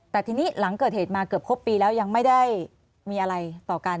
แต่ทีนี้หลังเกิดเหตุมาเกือบครบปีแล้วยังไม่ได้มีอะไรต่อกัน